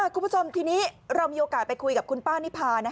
คุณผู้ชมทีนี้เรามีโอกาสไปคุยกับคุณป้านิพา